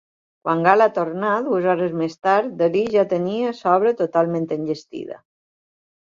Quan Gala tornà, dues hores més tard, Dalí ja tenia l'obra totalment enllestida.